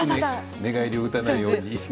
寝返りを打たないように意識して。